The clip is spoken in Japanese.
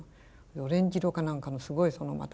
オレンジ色か何かのすごいまた。